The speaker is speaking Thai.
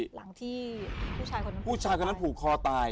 หลังที่ผู้ชายคนนั้นผูกคอตาย